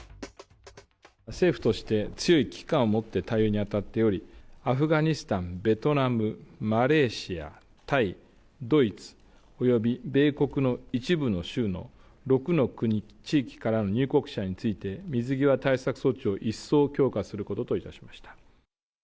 政府として強い危機感を持って対応に当たっており、アフガニスタン、ベトナム、マレーシア、タイ、ドイツ、および米国の一部の州の６の国・地域からの入国者について、水際対策措置を一層強化することといたしました。